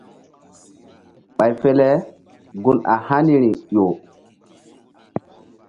Ɓay fe le gun a haniri ƴo.